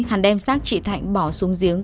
hắn đem xác chị thạnh bỏ xuống giếng